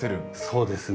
そうですね。